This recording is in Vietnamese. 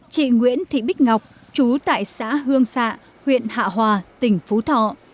chị nguyễn thị bích ngọc chú tại xã hương xạ huyện hạ hòa tỉnh phú thọ